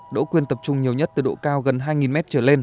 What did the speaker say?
đỗ quyên tập trung nhiều nhất từ độ cao gần hai m